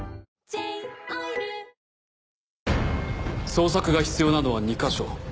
捜索が必要なのは２か所。